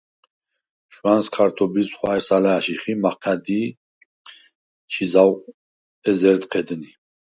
შუ̂ა̈ნს ქართობილს ხუ̂ა̈ჲს ალა̄̈შიხ ი მაჴა̈დი ჩი ზაუ̂ ეზერ ჴედნი.